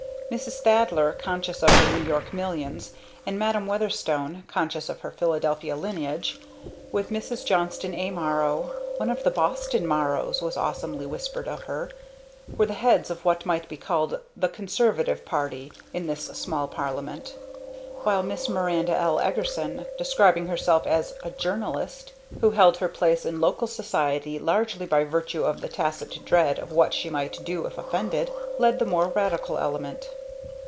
Mrs. Thaddler, conscious of her New York millions, and Madam Weatherstone, conscious of her Philadelphia lineage, with Mrs. Johnston A. Marrow ("one of the Boston Marrows!" was awesomely whispered of her), were the heads of what might be called "the conservative party" in this small parliament; while Miss Miranda L. Eagerson, describing herself as 'a journalist,' who held her place in local society largely by virtue of the tacit dread of what she might do if offended led the more radical element.